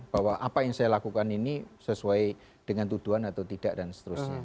bahwa apa yang saya lakukan ini sesuai dengan tuduhan atau tidak dan seterusnya